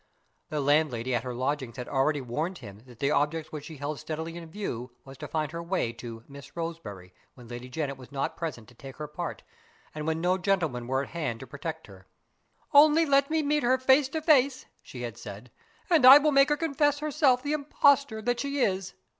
The landlady at her lodgings had already warned him that the object which she held steadily in view was to find her way to "Miss Roseberry" when Lady Janet was not present to take her part, and when no gentleman were at hand to protect her. "Only let me meet her face to face" (she had said), "and I will make her confess herself the impostor that she is!"